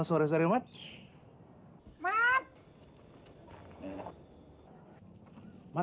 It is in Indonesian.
siapa itu mat